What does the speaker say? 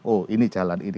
oh ini jalan ini